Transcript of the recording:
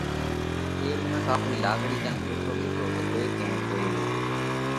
اي منک آپري لاڪڙِي ڪنَ ٻيٺو ٻيٺو ٻڌوئي ڪئين زوئي ريو تو